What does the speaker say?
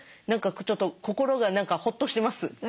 何かちょっと心が何かほっとしてます。